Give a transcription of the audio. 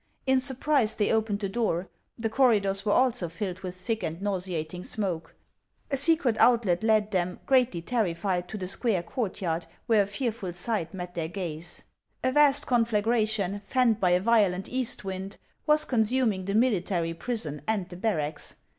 In surprise, they opened the door ; the corridors were also filled with thick and nauseating snioke. A secret outlet led them, greatly terrified, to the square courtyard, where a fearful sight met their gaze. A vast conflagration, fanned by a violent east wind, was consuming the military prison and the barracks.